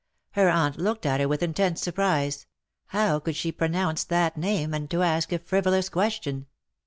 Her aunt looked at her with intense surprise, — how could she pronounce that name, and to ask a frivolous question?